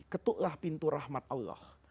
ketuklah pintu rahmat allah